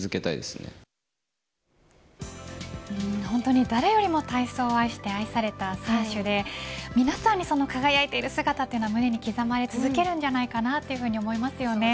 本当に誰よりも体操を愛して愛された選手で皆さんにその輝いている姿は胸に刻まれ続けるんじゃないかと思います。